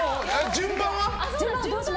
順番は？